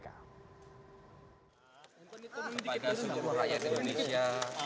kepada seluruh rakyat indonesia